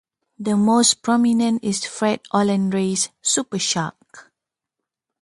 The most prominent is Fred Olen Ray's "Supershark".